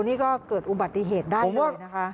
นี่ก็เกิดอุบัติเหตุได้เลยนะคะ